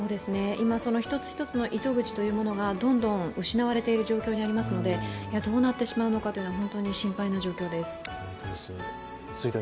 今その一つ一つの糸口がどんどん失われている状況にありますのでどうなってしまうのかというのは本当に心配な状況です。